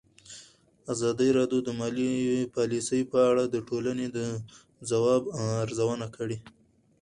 ازادي راډیو د مالي پالیسي په اړه د ټولنې د ځواب ارزونه کړې.